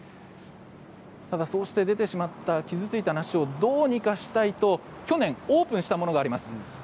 ただ、そうして出てしまった傷ついた梨をどうにかしたいと去年オープンしたものがあります。